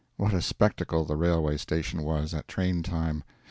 What a spectacle the railway station was, at train time!